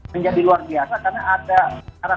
menjadi luar biasa karena ada arah